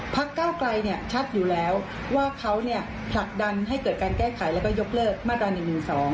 ก้าวไกลชัดอยู่แล้วว่าเขาผลักดันให้เกิดการแก้ไขแล้วก็ยกเลิกมาตรา๑๑๒